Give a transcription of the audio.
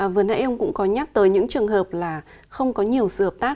vừa nãy ông cũng có nhắc tới những trường hợp là không có nhiều sự hợp tác